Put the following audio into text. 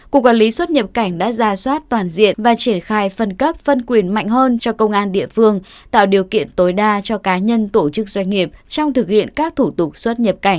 cục quản lý xuất nhập cảnh đã ra soát toàn diện và triển khai phân cấp phân quyền mạnh hơn cho công an địa phương tạo điều kiện tối đa cho cá nhân tổ chức doanh nghiệp trong thực hiện các thủ tục xuất nhập cảnh